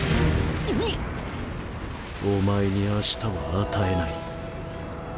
お前にあしたは与えない。